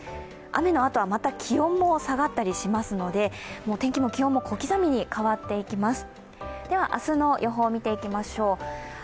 雨のあとは、また気温も下がったりしますので、天気も気温も小刻みに変わっていきます。